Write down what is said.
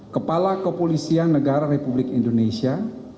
kepala kepolisian negara republik indonesia